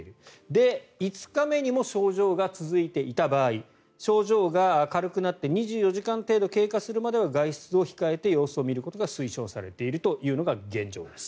で、５日目にも症状が続いていた場合症状が軽くなって２４時間程度経過するまでは外出を控えて様子を見ることが推奨されているというのが現状です。